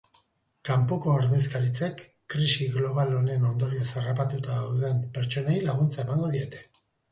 Kanpoko ordezkaritzek krisi global honen ondorioz harrapatuta dauden pertsonei laguntza emango diete.